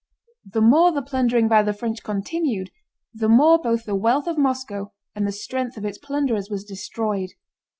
The more the plundering by the French continued, the more both the wealth of Moscow and the strength of its plunderers was destroyed.